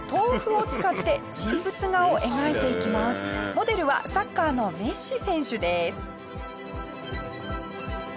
モデルはサッカーのメッシ選手です。